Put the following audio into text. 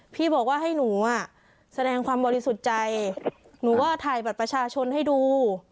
พี่บอกว่าให้หนูอ่ะแสดงความบริสุทธิ์ใจหนูก็ถ่ายบัตรประชาชนให้ดู